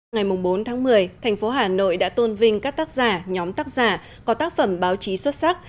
ngày bốn tháng một mươi thành phố hà nội đã tôn vinh các tác giả nhóm tác giả có tác phẩm báo chí xuất sắc